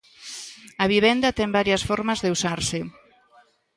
A vivenda ten varias formas de usarse.